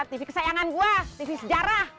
tv kesayangan gue tv sejarah